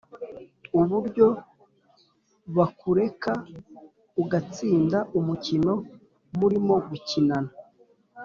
Uburyo bakureka ugatsinda umukino murimo gukinana